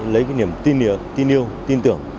đấy cái niềm tin yêu tin tưởng